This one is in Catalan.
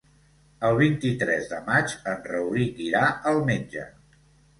El vint-i-tres de maig en Rauric irà al metge.